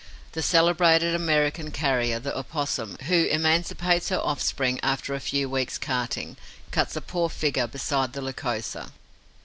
The celebrated American carrier, the Opossum, who emancipates her offspring after a few weeks' carting, cuts a poor figure beside the Lycosa.